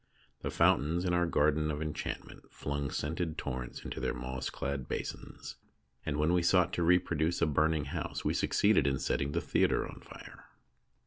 The fountains in our Garden of Enchantment flung scented torrents into their moss clad basins ; and A REPERTORY THEATRE 47 when we sought to reproduce a burning house we succeeded in setting the theatre on fire.